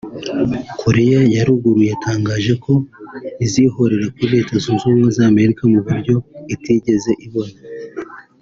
Koreya ya Ruguru yatangaje ko izihorera kuri Leta zunze ubumwe z’Amerika mu buryo itigeze ibona